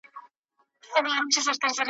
خدایه کله به یې واورم د بابا له مېني زېری `